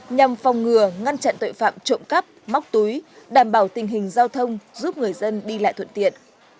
nhằm phòng ngừa ngăn chặn tội phạm trộm cắp móc túi đảm bảo tình hình giao thông giúp người dân đi lại thuận tiện